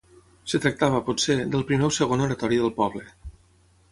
Es tractava, potser, del primer o segon oratori del poble.